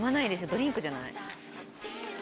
ドリンクじゃない？